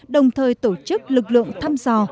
đồng thời tổ chức lực lượng thăm dò